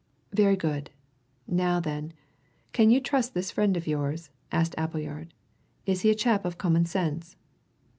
"Very good. Now, then, can you trust this friend of yours?" asked Appleyard. "Is he a chap of common sense?"